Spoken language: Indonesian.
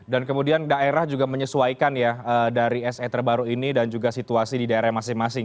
dan kemudian daerah juga menyesuaikan ya dari se terbaru ini dan juga situasi di daerah masing masing